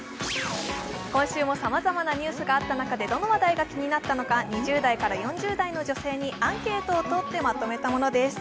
今週もさまざまなニュースがあった中で、どの話題が気になったのか２０代から４０代の女性にアンケートを取ってまとめたものです。